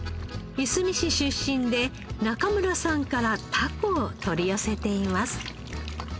いすみ市出身で中村さんからタコを取り寄せています。